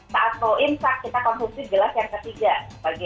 saat selesai kita konsumsi gelas yang ketiga